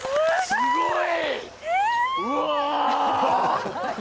すごい。